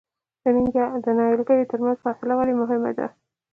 د نیالګیو ترمنځ فاصله ولې مهمه ده؟